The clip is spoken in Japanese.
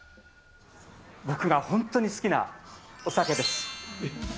僕が本当に好きなお酒です。